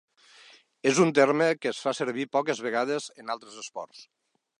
És un terme que es fa servir poques vegades en altres esports.